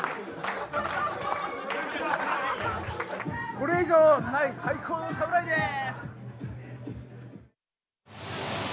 これ以上ない最高の侍です！